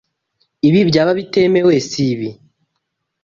Ibi byaba bitemewe, sibi?